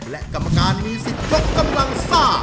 และกรรมการมีสิทธิ์ยกกำลังซ่า